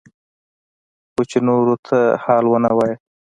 خو چې نورو ته حال ونه وايي.